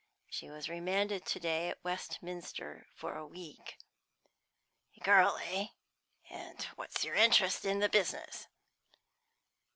She was remanded to day at Westminster for a week." "A girl, eh? And what's your interest in the business?"